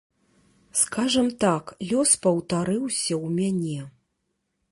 Скажам так, лёс паўтарыўся ў мяне.